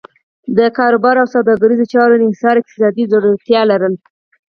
د کاروبار او سوداګریزو چارو انحصار اقتصادي ځوړتیا لرله.